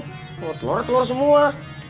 kalo telur telur semua